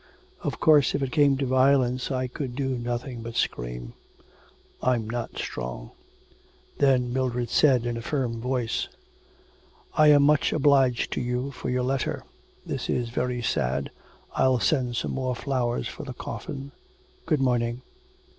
Of course, if it came to violence, I could do nothing but scream. I'm not strong.' Then Mildred said in a firm voice: 'I'm much obliged to you for your letter. This is very sad, I'll send some more flowers for the coffin. Good morning.'